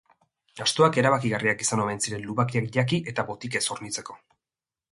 Astoak erabakigarriak izan omen ziren lubakiak jaki eta botikez hornitzeko.